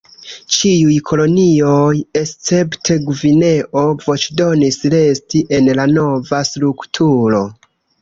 Ĉiuj kolonioj escepte Gvineo voĉdonis resti en la nova strukturo.